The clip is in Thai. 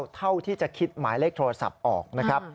เท่าที่จะคิดหมายเลขโทรศัพท์ออกนะครับ